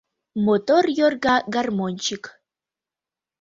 Мотор йорга гармонщик.